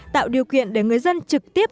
tạo điều kiện để người dân trực tiếp